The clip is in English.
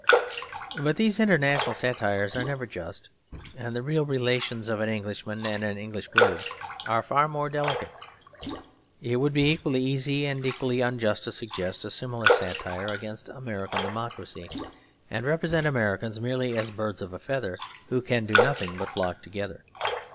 But these international satires are never just; and the real relations of an Englishman and an English bird are far more delicate. It would be equally easy and equally unjust to suggest a similar satire against American democracy; and represent Americans merely as birds of a feather who can do nothing but flock together.